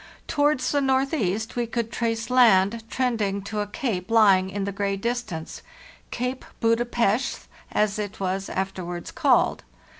Towards the northeast we could trace land trending to a cape lying in the gray distance: Cape Buda Pesth, as it was after wards called.